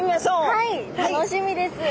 はい楽しみです。